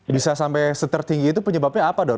bisa sampai setinggi itu penyebabnya apa dok